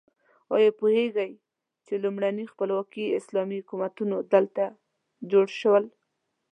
ایا پوهیږئ چې لومړني خپلواکي اسلامي حکومتونه دلته جوړ شول؟